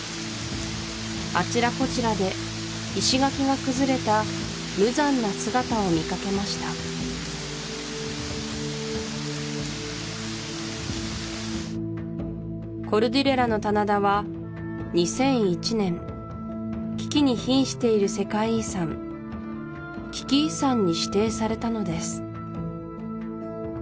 あちらこちらで石垣が崩れた無残な姿を見かけましたコルディレラの棚田は２００１年危機に瀕している世界遺産危機遺産に指定されたのです